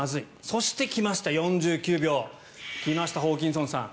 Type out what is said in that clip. そして来ました４９秒。来ました、ホーキンソンさん。